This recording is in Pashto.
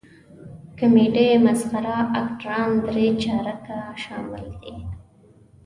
کمیډي مسخره اکټران درې چارکه شامل دي.